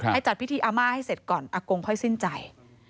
จัดพิธีอาม่าให้เสร็จก่อนอากงค่อยสิ้นใจ